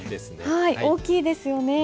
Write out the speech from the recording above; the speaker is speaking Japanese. はい大きいですよね。